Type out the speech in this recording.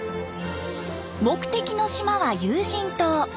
目的の島は有人島。